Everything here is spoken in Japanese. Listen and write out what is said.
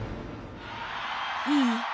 いい？